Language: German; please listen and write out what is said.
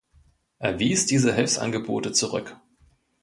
Er wies diese Hilfsangebote zurück.